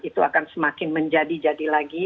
itu akan semakin menjadi jadi lagi